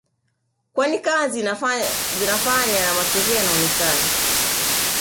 Kwani kazi zinafanyika na matokeo yanaonekana